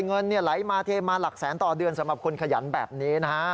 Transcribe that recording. เงินไหลมาเทมาหลักแสนต่อเดือนสำหรับคนขยันแบบนี้นะฮะ